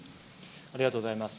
ありがとうございます。